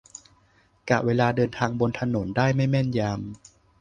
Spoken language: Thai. กะเวลาเดินทางบนถนนได้ไม่แม่นยำ